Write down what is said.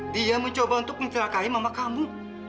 dia mencoba untuk mencelakai mama kamu